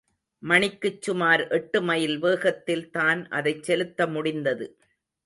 மணிக்குச் சுமார் எட்டு மைல் வேகத்தில்தான் அதைச் செலுத்த முடிந்தது.